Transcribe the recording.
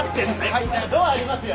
ドアありますよ。